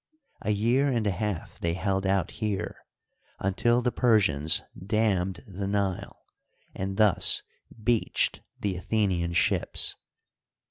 A year and a half they held out here, until the Persians dammed the Nile, ana thus beached the Athenian ships.